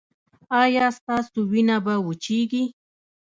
ایا ستاسو وینه به وچیږي؟